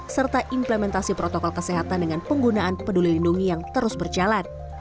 serta implementasi protokol kesehatan dengan penggunaan peduli lindungi yang terus berjalan